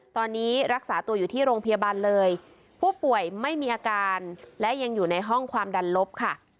ตอนนี้รักษาตัวอยู่ที่โรงพยาบาลเลยผู้ป่วยไม่มีอาการและยังอยู่ในห้องความดันลบค่ะ